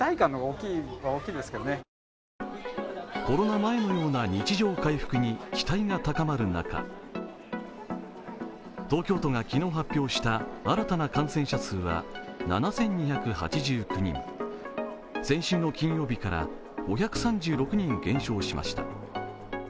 コロナ前のような日常回復に期待が高まる中東京都が昨日発表した新たな感染者数は７２８９人、先週の金曜日から５３６人減少しました。